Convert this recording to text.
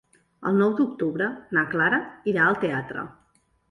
El nou d'octubre na Clara irà al teatre.